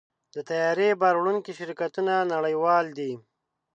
د طیارې بار وړونکي شرکتونه نړیوال دي.